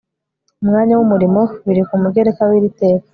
umwanya w umurimo biri ku mugereka w iri teka